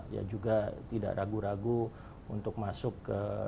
ya juga tidak ragu ragu untuk masuk ke